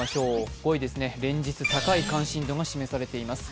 ５位です、連日高い関心度が示されています。